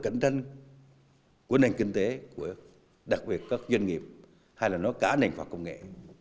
cạnh tranh của nền kinh tế đặc biệt các doanh nghiệp hay là nói cả nền khoa học công nghệ